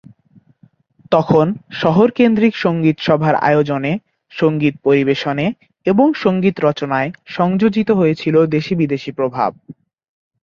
তখন শহরকেন্দ্রিক সঙ্গীতসভার আয়োজনে, সঙ্গীত পরিবেশনে এবং সঙ্গীত রচনায় সংযোজিত হয়েছিল দেশিবিদেশি প্রভাব।